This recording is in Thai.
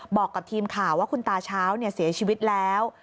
บอกกับทีมข่าวว่าคุณตาเช้าเสียชีวิตแล้ว